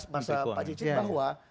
masa pak cicik bahwa